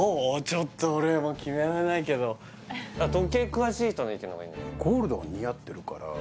ちょっと俺は決められないけど時計詳しい人の意見のほうがいいんじゃない？